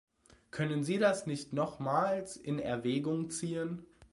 Können Sie das nicht nochmals in Erwägung ziehen?